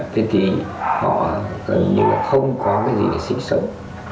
thế thì họ gần như là không có cái gì để sĩ sống